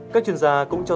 các chuyên gia cũng cho